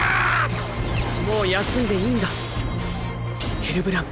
もう休んでいいんだヘルブラム。